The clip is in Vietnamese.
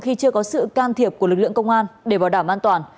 khi chưa có sự can thiệp của lực lượng công an để bảo đảm an toàn